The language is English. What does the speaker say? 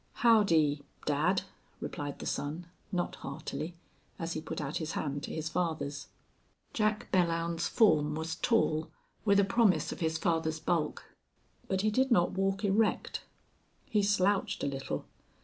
"Howdy dad!" replied the son, not heartily, as he put out his hand to his father's. Jack Belllounds's form was tall, with a promise of his father's bulk. But he did not walk erect; he slouched a little.